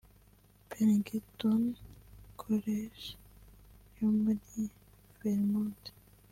Bennington College yo muri Vermont